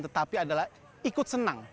tetapi adalah ikut senang